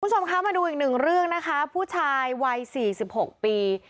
คุณผู้ชมคะมาดูอีกหนึ่งเรื่องนะคะผู้ชายวัย๔๖ปี